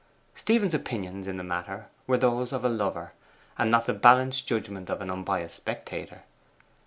Stephen's opinions in this matter were those of a lover, and not the balanced judgment of an unbiassed spectator.